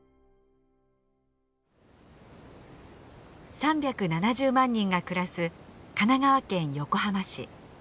３７０万人が暮らす神奈川県横浜市。